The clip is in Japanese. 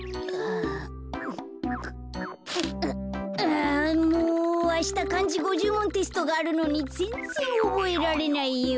あしたかんじ５０もんテストがあるのにぜんぜんおぼえられないよ。